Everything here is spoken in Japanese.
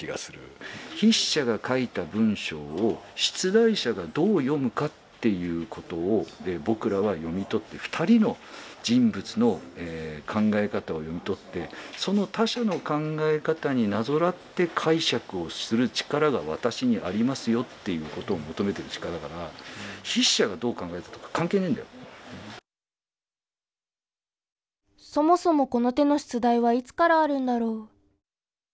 筆者が書いた文章を出題者がどう読むかっていうことを僕らは読み取って２人の人物の考え方を読み取ってその他者の考え方になぞらって解釈をする力が私にありますよっていうことを求めてる力だからそもそもこの手の出題はいつからあるんだろう？